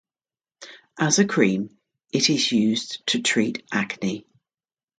As a cream, it is used to treat acne.